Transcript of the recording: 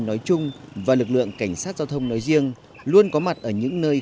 nói chung và lực lượng cảnh sát giao thông nói riêng luôn có mặt ở những nơi